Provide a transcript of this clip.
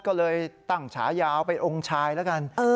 ก็เลยตั้งฉายาวไปองค์ชายแล้วกัน